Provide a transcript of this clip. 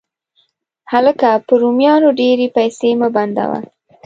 هلکه، په رومیانو ډېرې پیسې مه بندوه.